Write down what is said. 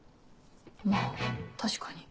まぁ確かに。